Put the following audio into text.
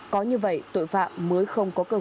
có như vậy tội phạm mới không có cơ hội trộm cắt